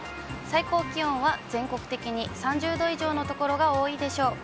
最高気温は全国的に３０度以上の所が多いでしょう。